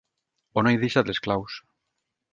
On he deixat les claus?